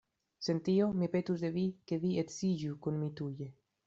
Sen tio, mi petus de vi, ke vi edziĝu kun mi tuje.